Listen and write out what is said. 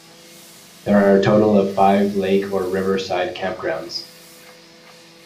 There are a total of five lake or river side campgrounds.